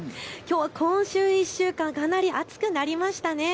今週１週間かなり暑くなりましたね。